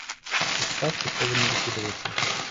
Из сказки слово не выкидывается.